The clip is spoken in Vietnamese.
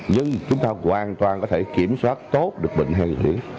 nhưng chúng ta hoàn toàn có thể kiểm soát tốt được bệnh hen xưởng